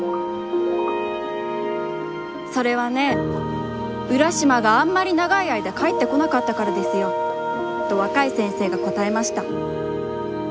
「それはねえ、浦島があんまり長いあいだ帰ってこなかったからですよ」と、若い先生がこたえました。